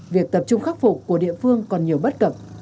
việc tập trung khắc phục của địa phương còn nhiều bất cập